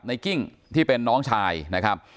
กิ้งที่เป็นน้องชายนะครับ